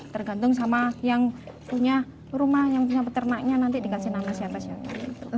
tergantung sama yang punya rumah yang punya peternaknya nanti dikasih nama siapa siapa